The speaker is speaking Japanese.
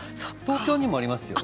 東京にもありますよ。